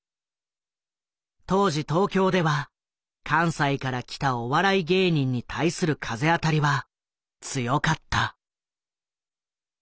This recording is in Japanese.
当時東京では関西から来たお笑い芸人に対する風当たりは強かった。